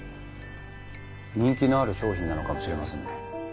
人気のある商品なのかもしれませんね。